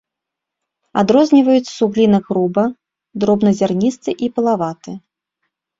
Адрозніваюць суглінак груба-, дробназярністы і пылаваты.